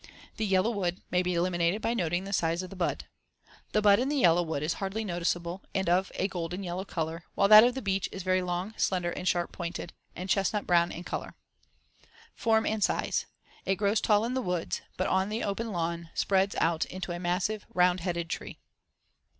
The yellow wood may be eliminated by noting the size of the bud. The *bud* in the yellow wood is hardly noticeable and of a golden yellow color, while that of the beech is very *long, slender, and sharp pointed*, and chestnut brown in color. See Fig. 53. Form and size: It grows tall in the woods, but on the open lawn spreads out into a massive, round headed tree.